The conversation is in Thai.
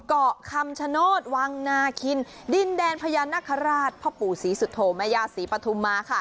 เกาะคำชโนธวังนาคินดินแดนพญานาคาราชพ่อปู่ศรีสุโธแม่ย่าศรีปฐุมมาค่ะ